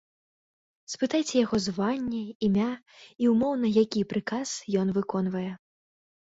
Спытайце яго званне, імя і ўмоўна які прыказ ён выконвае.